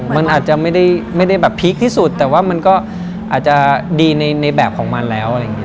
มันอาจจะไม่ได้พีคที่สุดแต่ว่ามันก็อาจจะดีในแบบของมันแล้ว